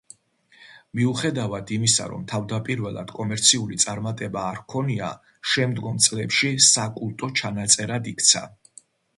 მიუხედავად იმისა, რომ თავდაპირველად კომერციული წარმატება არ ჰქონია, შემდგომ წლებში საკულტო ჩანაწერად იქცა.